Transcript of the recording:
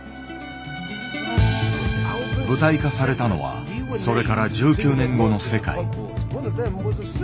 舞台化されたのはそれから１９年後の世界。